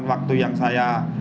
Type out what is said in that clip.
waktu yang saya